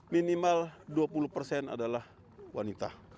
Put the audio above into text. minimal dua puluh persen adalah wanita